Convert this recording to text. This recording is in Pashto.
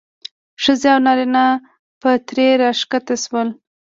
ښځې او نارینه به ترې راښکته شول.